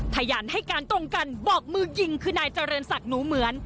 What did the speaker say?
พยานให้การตรงกันบอกมือยิงคือนายเจริญศักดิ์หนูเหมือน